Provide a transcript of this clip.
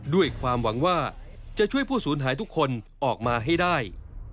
ด้วยความหวังว่าจะช่วยผู้สูญหายทุกคนออกมาให้ได้